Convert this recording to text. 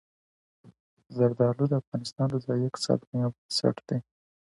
زردالو د افغانستان د ځایي اقتصادونو یو بنسټ دی.